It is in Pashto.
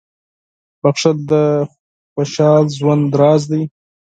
• بښل د خوشحال ژوند راز دی.